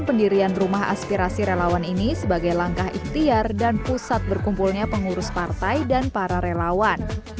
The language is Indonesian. pendirian rumah aspirasi relawan ini sebagai langkah ikhtiar dan pusat berkumpulnya pengurus partai dan para relawan